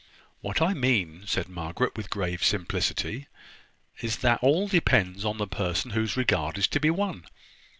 "What I mean," said Margaret, with grave simplicity, "is, that all depends upon the person whose regard is to be won.